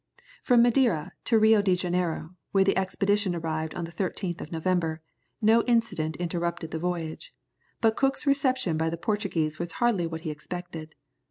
From Madeira to Rio de Janeiro, where the expedition arrived on the 13th of November, no incident interrupted the voyage, but Cook's reception by the Portuguese was hardly what he expected.